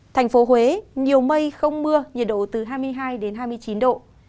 thành phố huế nhiều mây không mưa nhiệt độ từ hai mươi hai đến hai mươi chín độ